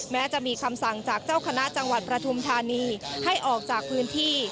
แม้จะมีคำสั่งจากเจ้าคณะจังหวัดประทุมธานีให้ออกจากพื้นที่